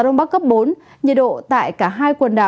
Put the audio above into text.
nhiệt độ tại cả hai quần đảo